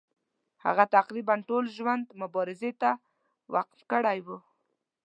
هغه تقریبا ټول ژوند مبارزې ته وقف کړی وو.